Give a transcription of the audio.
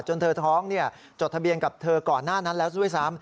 เธอท้องจดทะเบียนกับเธอก่อนหน้านั้นแล้วด้วยซ้ำ